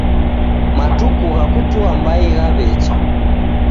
Matuku gha kutua mbai ghaw'echa